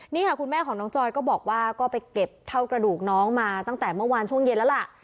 นี่ค่ะคุณแม่ของน้องจอยก็บอกว่าก็ไปเก็บเท่ากระดูกน้องมาตั้งแต่เมื่อวานช่วงเย็นแล้วล่ะ